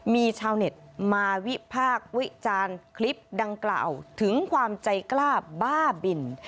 มีชาวเน็ตมาวิพากษ์วิจารณ์คลิปดังกล่าวถึงความใจกล้าบ้าบิน